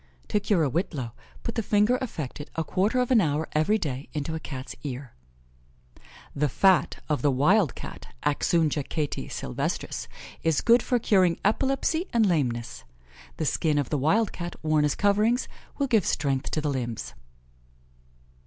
To cure a whitlow, put the finger affected a quarter of an hour every day into a Cat's ear. The fat of the wild Cat (Axungia Cati Sylvestris) is good for curing epilepsy and lameness. The skin of the wild Cat worn as coverings, will give strength to the limbs.